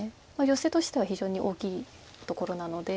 ヨセとしては非常に大きいところなので。